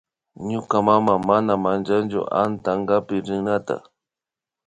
Ñuka mama mana manchanchu antankapi rinata